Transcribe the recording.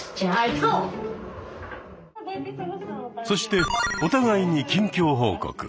そしてお互いに近況報告。